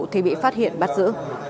thì bị phát hiện bắt giữ